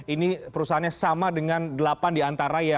ini perusahaannya sama dengan yang diantara kami ya